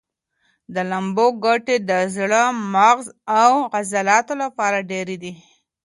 د لامبو ګټې د زړه، مغز او عضلاتو لپاره ډېرې دي.